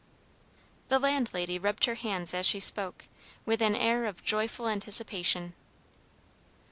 The landlady rubbed her hands as she spoke, with an air of joyful anticipation.